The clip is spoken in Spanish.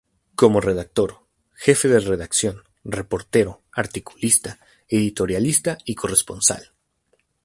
Como redactor, jefe de redacción, reportero, articulista, editorialista y corresponsal.